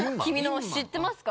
知ってますか？